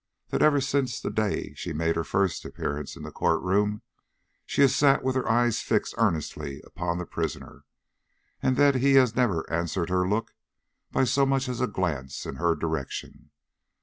That ever since the day she made her first appearance in the court room, she has sat with her eyes fixed earnestly upon the prisoner, and that he has never answered her look by so much as a glance in her direction.